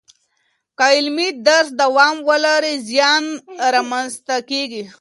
که عملي درس دوام ولري، زیان را منځ ته کیږي.